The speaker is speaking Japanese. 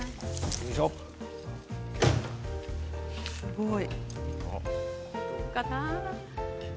すごい。